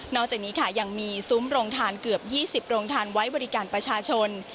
จากนี้ค่ะยังมีซุ้มโรงทานเกือบ๒๐โรงทานไว้บริการประชาชน